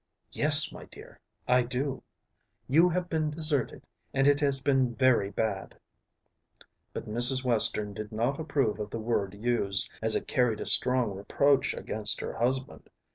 "Yes, my dear, I do. You have been deserted, and it has been very bad." But Mrs. Western did not approve of the word used, as it carried a strong reproach against her husband.